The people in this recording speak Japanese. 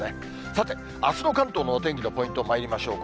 さて、あすの関東のお天気のポイントまいりましょう。